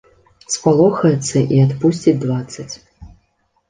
Спалохаецца і адпусціць дваццаць.